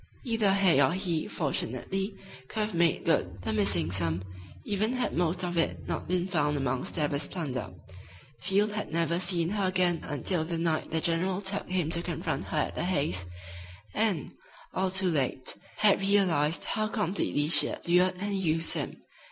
Either Hay or he, fortunately, could have made good the missing sum, even had most of it not been found amongst Stabber's plunder. Field had never seen her again until the night the general took him to confront her at the Hays', and, all too late, had realized how completely she had lured and used him.